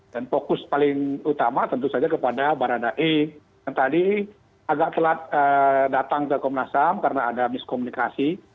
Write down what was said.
dan fokus paling utama tentu saja kepada baradae yang tadi agak telat datang ke komnas ham karena ada miskomunikasi